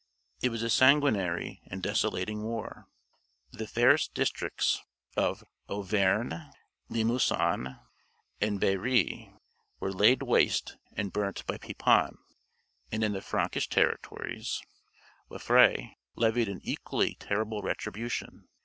It was a sanguinary and desolating war. The fairest districts of Auvergne, Limousin, and Berry, were laid waste and burnt by Pepin; and in the Frankish territories Waifre levied an equally terrible retribution.